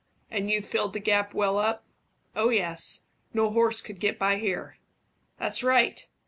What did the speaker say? "And you've filled the gap well up?" "Oh yes. No horse could get by here." "That's right!